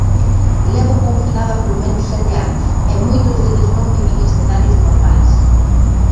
Levo confinada polo menos sete anos, e moitos deles non vivín escenarios normais.